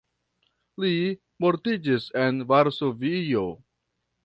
Li mortiĝis en Varsovio.